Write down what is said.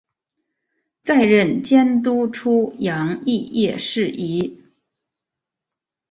再任监督出洋肄业事宜。